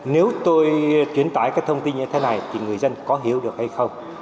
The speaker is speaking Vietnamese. nếu tôi truyền tải cái thông tin như thế này thì người dân có hiểu được hay không